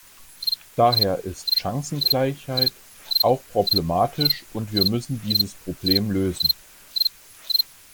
Daher ist Chancengleichheit auch problematisch und wir müssen dieses Problem lösen.